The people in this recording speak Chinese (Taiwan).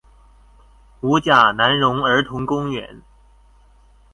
五甲南榮兒童公園